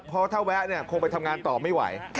เพราะถ้าแวะคงไปทำงานต่อไม่ไหว